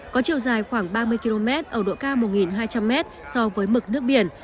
có chiều dài khoảng ba mươi km ở độ cao một hai trăm linh m so với mực nước biển